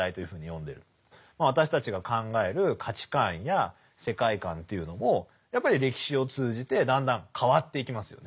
私たちが考える価値観や世界観というのもやっぱり歴史を通じてだんだん変わっていきますよね。